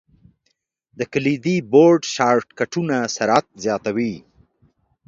د کلیدي بورډ شارټ کټونه سرعت زیاتوي.